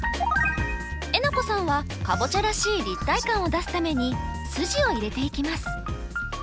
えなこさんはカボチャらしい立体感を出すために筋を入れていきます。